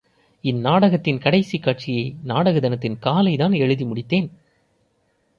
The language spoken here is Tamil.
இந்நாடகத்தின் கடைசிக் காட்சியை நாடக தினத்தின் காலைதான் எழுதி முடித்தேன்.